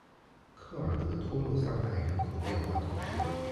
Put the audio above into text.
科尔德托洛萨纳人口变化图示